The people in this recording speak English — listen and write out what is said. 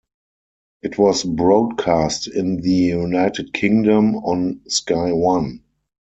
It was broadcast in the United Kingdom on Sky One.